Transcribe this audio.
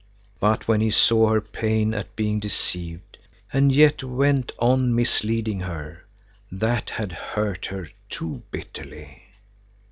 But when he saw her pain at being deceived, and yet went on misleading her, that had hurt her too bitterly.